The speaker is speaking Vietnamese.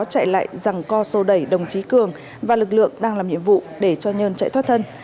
chạy lại rằng co sâu đẩy đồng chí cường và lực lượng đang làm nhiệm vụ để cho nhân chạy thoát thân